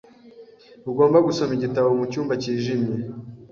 Ntugomba gusoma igitabo mucyumba cyijimye.